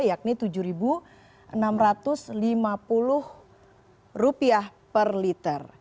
yakni rp tujuh enam ratus lima puluh per liter